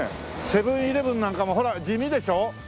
セブン−イレブンなんかもほら地味でしょ？